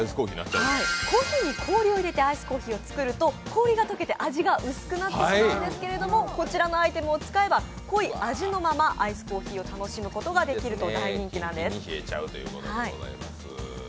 コーヒーに氷を入れてアイスコーヒーを作ると氷が溶けて味が薄くなってしまうんですけど、こちらのアイテムを使えば濃い味のままアイスコーヒーを楽しむことができると大人気なんです。